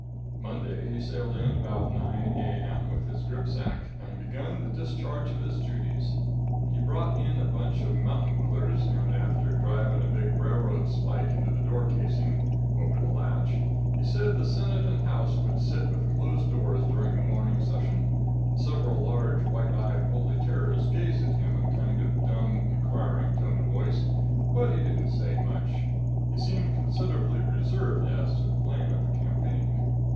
"Monday he sailed in about 9 A.M. with his grip sack, and begun the discharge of his juties. "He brought in a bunch of mountain willers, and, after driving a big railroad spike into the door casing, over the latch, he said the senate and house would sit with closed doors during the morning session. Several large, white eyed holy terrors gazed at him in a kind of dumb, inquiring tone of voice, but he didn't say much. He seemed considerably reserved as to the plan of the campaign.